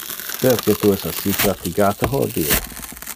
Perque tu es assi fatigate hodie?